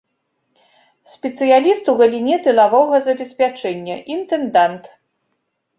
Спецыяліст у галіне тылавога забеспячэння, інтэндант.